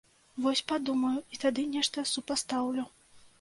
Вось падумаю і тады нешта супастаўлю.